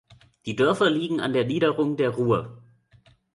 Die Dörfer liegen in der Niederung der Rur.